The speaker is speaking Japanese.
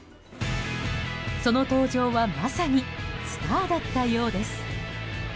その登場はまさにスターだったようです。